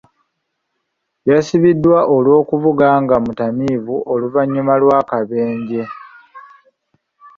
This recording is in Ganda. Yasibiddwa olw'okuvuga nga mutamiivu oluvannyuma lw'akabenje.